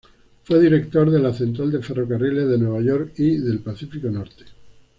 Fue director de la Central de ferrocarriles de Nueva York y del Pacífico Norte.